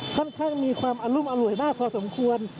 ค่อนข้างมีความอรุ่นอร่วยมากพอสมควร